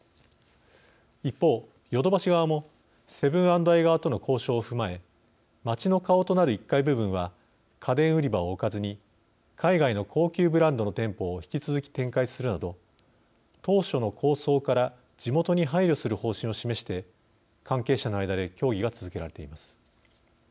一方、ヨドバシ側もセブン＆アイ側との交渉を踏まえ街の顔となる１階部分は家電売り場を置かずに海外の高級ブランドの店舗を引き続き展開するなど当初の構想から地元に配慮する方針を示して関係者の間で協議が続けられています。